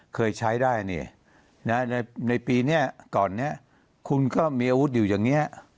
เคยใช้ได้นี่ในปีเนี้ยก่อนเนี้ยคุณก็มีอุตอยู่อย่างเงี้ย